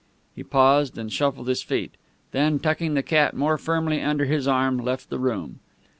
He paused, and shuffled his feet; then, tucking the cat more firmly under his arm, left the room.